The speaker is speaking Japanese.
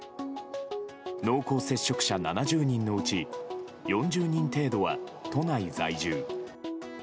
濃厚接触者７０人のうち４０人程度は都内在住。